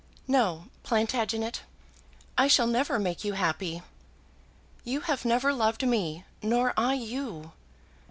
"No, Plantagenet; I shall never make you happy. You have never loved me, nor I you.